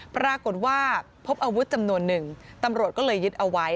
ปรากฏว่าพบอาวุธจำนวนหนึ่งตำรวจก็เลยยึดเอาไว้